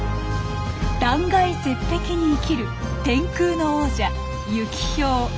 断崖絶壁に生きる天空の王者ユキヒョウ。